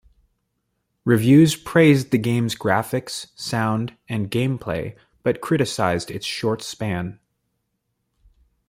Reviews praised the game's graphics, sound, and gameplay, but criticized its short span.